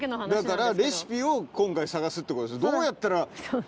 だからレシピを今回探すって事ですよ。